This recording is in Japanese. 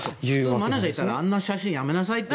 普通マネジャーいたらあんな写真やめなさいって。